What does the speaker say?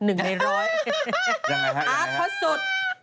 ยังไงคะที่ยังไงคะอาร์ทพระสุทธิ์